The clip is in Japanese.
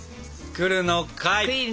来るのかい。